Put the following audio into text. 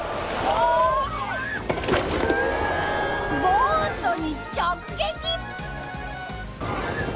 ボートに直撃！